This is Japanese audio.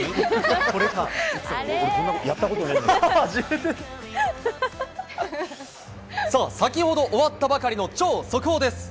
俺、さあ、先ほど終わったばかりの超速報です。